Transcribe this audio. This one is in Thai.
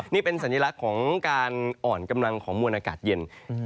นี่เป็นสัญลักษณ์ของการอ่อนกำลังของมวลอากาศเย็น